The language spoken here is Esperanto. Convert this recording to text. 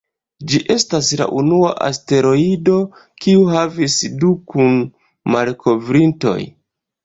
Ĝi estas la unua asteroido, kiu havis du kun-malkovrintoj.